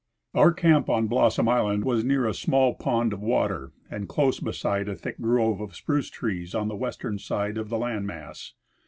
Our camp on Blossom island was near a small pond of water and close beside a thick grove of spruce trees on the western side of the land mass.